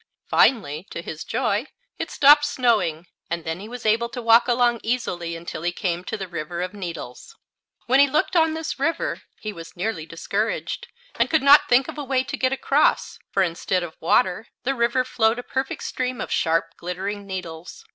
Finally, to his joy, it stopped snowing, and then he was able to walk along easily until he came to the River of Needles. When he looked on this river he was nearly discouraged, and could not think of a way to get across; for instead of water the river flowed a perfect stream of sharp, glittering needles.